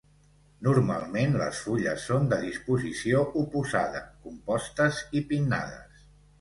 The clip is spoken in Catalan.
Normalment les fulles són de disposició oposada, compostes i pinnades.